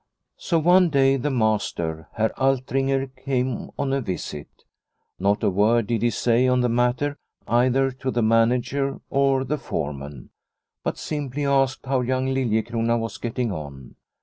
So one day, the master, Herr Altringer, came on a visit. Not a word did he say of the matter either to the manager or the foreman, but simply asked how young Liliecrona was getting on.